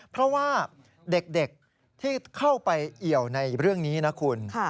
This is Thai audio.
เพราะว่าเด็กที่เข้าไปเอี่ยวในเรื่องนี้นะคุณ